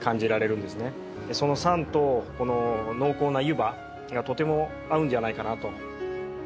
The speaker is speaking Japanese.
その酸と濃厚な湯葉がとても合うんじゃないかなと。